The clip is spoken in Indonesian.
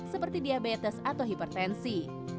seperti diabetes atau hipertensi